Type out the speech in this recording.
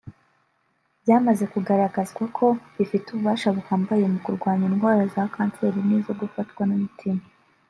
Byamaze kugaragazwa ko bifite ububasha buhambaye mu kurwanya indwara za kanseri n’izo gufatwa n’umutima